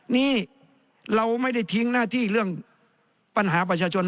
นี่เราไม่ได้ทิ้งหน้าที่เรื่องปัญหาประชาชน